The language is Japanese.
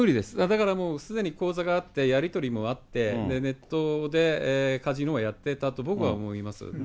だからもうすでに口座があって、やり取りもあって、ネットでカジノをやってたと僕は思います。